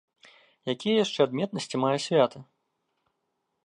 Якія яшчэ адметнасці мае свята?